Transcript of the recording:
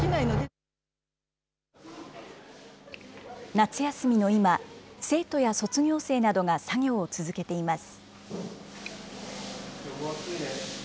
夏休みの今、生徒や卒業生などが作業を続けています。